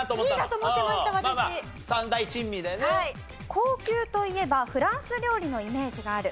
高級といえばフランス料理のイメージがある。